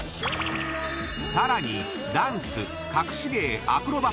［さらにダンス隠し芸アクロバット］